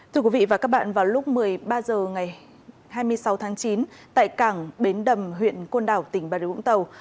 thưa quý vị và các bạn vào lúc một mươi ba h ngày hai mươi sáu tháng chín tại cảng bến đầm huyện côn đảo tỉnh bà điều vũng tàu